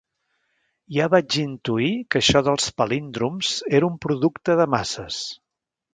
Ja vaig intuir que això dels palíndroms era un producte de masses.